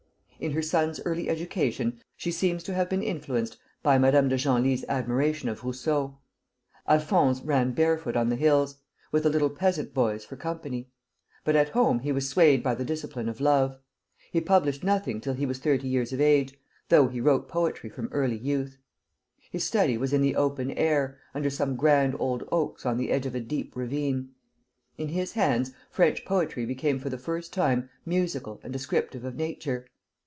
In her son's early education she seems to have been influenced by Madame de Genlis' admiration of Rousseau. Alphonse ran barefoot on the hills, with the little peasant boys for company; but at home he was swayed by the discipline of love. He published nothing till he was thirty years of age, though he wrote poetry from early youth. His study was in the open air, under some grand old oaks on the edge of a deep ravine. In his hands French poetry became for the first time musical and descriptive of nature.